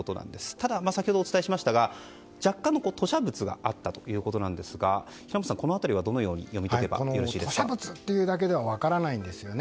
ただ、先ほどお伝えしましたが若干の吐しゃ物があったということなんですが平松さん、この辺り吐しゃ物というだけでは分からないんですよね。